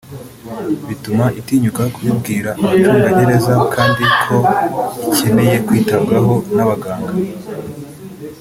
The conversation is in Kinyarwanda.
bituma itinyuka kubibwira abacungagereza kandi ko ikeneye kwitabwaho n’abaganga